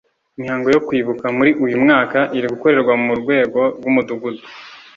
Imihango yo kwibuka muri uyu mwaka iri gukorerwa ku rwego rw’Umudugudu